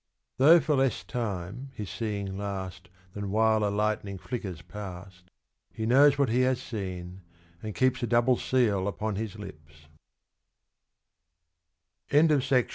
Though for less time his seeing last Than while a lightning flickers past He knows what he has seen, and keeps A double seal upon